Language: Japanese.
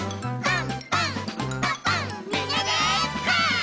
パン！